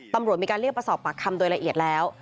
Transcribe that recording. ตำรวจมีการเรียกมาสอบปากคำโดยละเอียดแล้ว